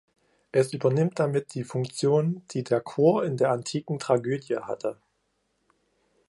Es übernimmt damit die Funktion, die der Chor in der antiken Tragödie hatte.